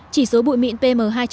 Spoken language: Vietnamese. chỉ số bụi mịn pm hai năm